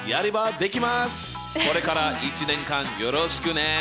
これから一年間よろしくね！